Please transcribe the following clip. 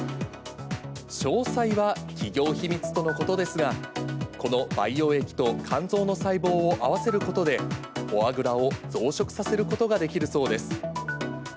詳細は企業秘密とのことですが、この培養液と肝臓の細胞を合わせることで、フォアグラを増殖させることができるそうです。